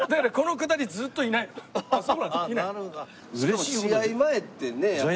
しかも試合前ってねやっぱり。